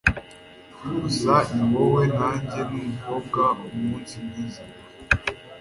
gusa ni wowe nanjye mukobwa, umunsi mwiza